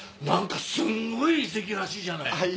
何かすごい遺跡らしいじゃない。